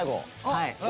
はい。